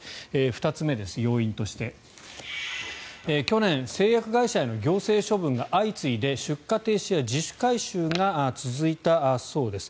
２つ目、要因として去年、製薬会社への行政処分が相次いで出荷停止や自主回収が続いたそうです。